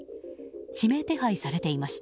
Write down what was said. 指名手配されていました。